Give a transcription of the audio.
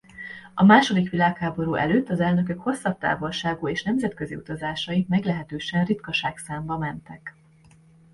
A második világháború előtt az elnökök hosszabb távolságú és nemzetközi utazásai meglehetősen ritkaságszámba mentek.